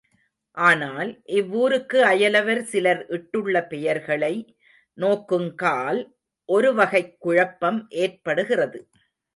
ஆனால், இவ்வூருக்கு அயலவர் சிலர் இட்டுள்ள பெயர்களை நோக்குங்கால் ஒரு வகைக் குழப்பம் ஏற்படுகிறது.